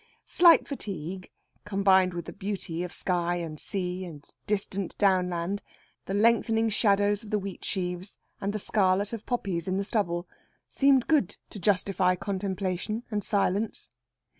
Slight fatigue, combined with the beauty of sky and sea and distant downland, the lengthening shadows of the wheatsheaves, and the scarlet of poppies in the stubble, seemed good to justify contemplation and silence.